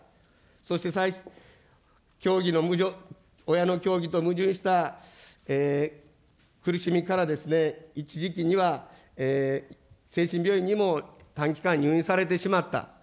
そして親の教義と矛盾した苦しみから一時期には精神病院にも短期間、入院されてしまった。